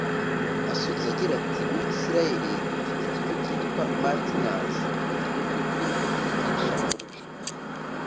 Asoza agira ati “Muri Israel dufite icyo twita “Matnas” (Ikigo cy’urubyiruko cyigisha umuco